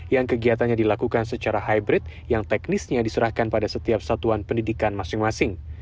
yang kegiatannya dilakukan secara hybrid yang teknisnya diserahkan pada setiap satuan pendidikan masing masing